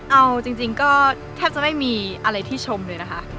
เอาจริงก็แทบจะไม่มีอะไรที่ชมเลยนะคะ